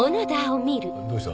どうした？